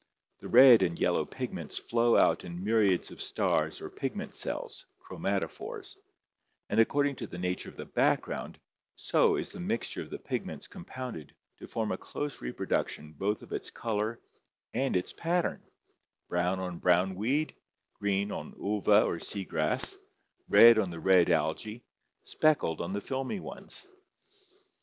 The red and yellow pigments flow out in myriads of stars or pigment cells [chroma tophores]: and according to the nature of the background, so is the mixture of the pigments compounded to form a close reproduction both of its color and its pattern: brown on brown weed, green on Ulva or seagrass, red on the red Algae, speckled on the filmy ones.